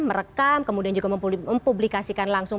merekam kemudian juga mempublikasikan langsung